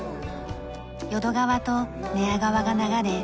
淀川と寝屋川が流れ